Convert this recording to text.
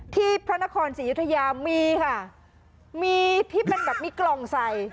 ที่พระนครศรียุธยามีค่ะมีที่เป็นกล่องใส่